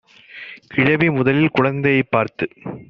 கிழவி முதலில் குழந்தையைப் பார்த்து